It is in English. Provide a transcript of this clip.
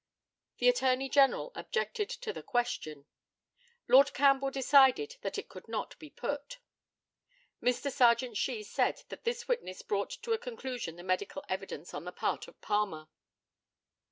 The ATTORNEY GENERAL objected to the question. Lord Campbell decided that it could not be put. Mr. Serjeant SHEE said that this witness brought to a conclusion the medical evidence on the part of Palmer.